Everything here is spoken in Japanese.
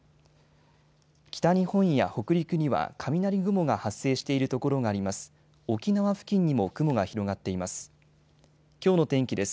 北日本や北陸には雷雲が発生しているところがあります。